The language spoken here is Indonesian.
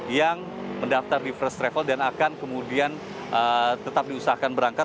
yang mendaftar di first travel dan akan kemudian tetap diusahakan berangkat